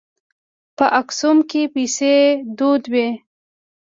په اکسوم کې پیسې دود وې.